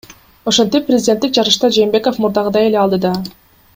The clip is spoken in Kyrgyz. Ошентип, президенттик жарышта Жээнбеков мурдагыдай эле алдыда.